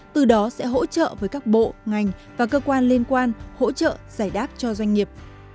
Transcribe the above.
từ đó sẽ hỗ trợ với các bộ ngành và cơ quan liên quan hỗ trợ giải đáp cho doanh nghiệp